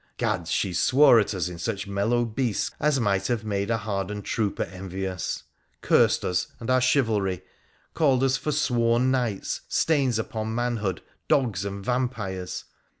Gads ! she swore at us in such mellow Bisque as might have made a hardened trooper envious ! Cursed us and our chivalry, called us forsworn knights, stains upon manhood, dogs and vampires